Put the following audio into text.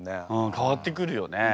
変わってくるよね。